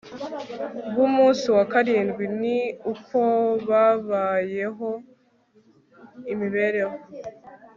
bUmunsi wa Karindwi ni uko babayeho imibereho